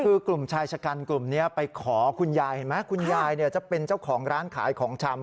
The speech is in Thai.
คือกลุ่มชายชะกันกลุ่มนี้ไปขอคุณยายเห็นไหมคุณยายจะเป็นเจ้าของร้านขายของชำ